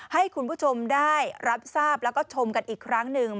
ให้คุณผู้ชมได้รับทราบแล้วก็ชมกันอีกครั้งหนึ่ง